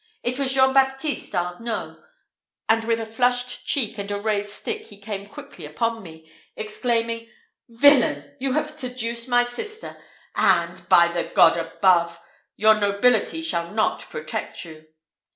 It was Jean Baptiste Arnault; and with a flushed cheek and a raised stick he came quickly upon me, exclaiming, "Villain, you have seduced my sister, and, by the God above, your nobility shall not protect you!"